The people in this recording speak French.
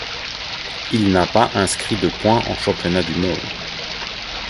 Il n'a pas inscrit de points en championnat du monde.